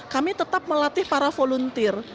kami tetap melatih para volunteer